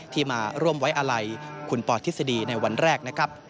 ที่มาร่วมไว้อะไลขุนปอดธิกฤษดีในวันแรกนะครับ